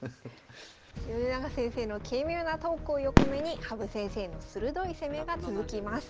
米長先生の軽妙なトークを横目に羽生先生の鋭い攻めが続きます。